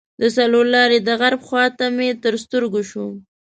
د څلور لارې د غرب خواته مې تر سترګو شو.